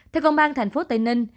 theo công an thành phố tây ninh